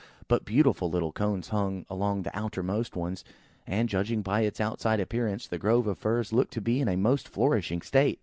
But beautiful little cones hung along the outermost ones; and, judging by its outside appearance, the grove of firs looked to be in a most flourishing state.